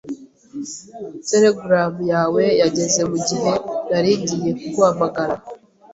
Telegaramu yawe yageze mugihe nari ngiye kuguhamagara.